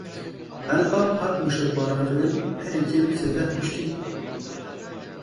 El Bab hat mûşekbarankirin: Herî kêm sêzdeh kuştî.